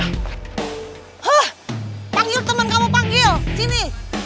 hah panggil temen kamu panggil sini